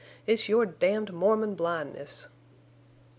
It's your damned Mormon blindness."